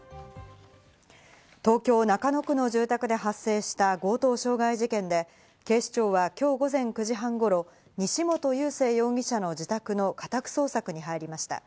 東京・中野区の住宅で発生した強盗傷害事件で、警視庁はきょう午前９時半頃、西本佑聖容疑者の自宅の家宅捜索に入りました。